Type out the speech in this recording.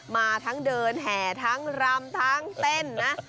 มาทั้งเดินแห่ทั้งรำทั้งเต้นนะ